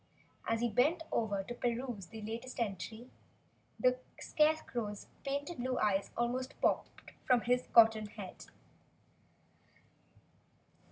As he bent over to peruse the latest entry, the Scarecrow's painted blue eyes almost popped from his cotton head.